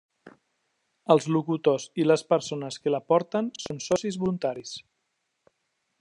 Els locutors i les persones que la porten són socis voluntaris.